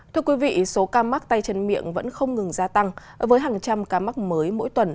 thưa quý vị số ca mắc tay chân miệng vẫn không ngừng gia tăng với hàng trăm ca mắc mới mỗi tuần